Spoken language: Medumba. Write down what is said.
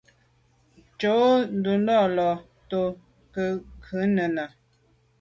Ntshob ndùlàlà ndo nke nène.